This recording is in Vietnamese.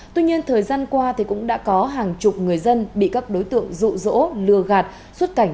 tuy nhiên thời gian qua cũng đã có hàng chục người dân bị các đối tượng rụ rỗ lừa gạt xuất cảnh